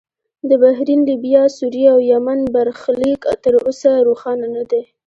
د بحرین، لیبیا، سوریې او یمن برخلیک تر اوسه روښانه نه دی.